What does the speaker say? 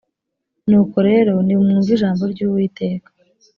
nuko rero nimwumve ijambo ry’uwiteka